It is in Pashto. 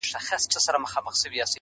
ته کم عقل ته کومول څومره ساده یې!!